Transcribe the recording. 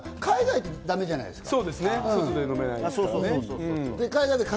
海外はだめじゃないですか？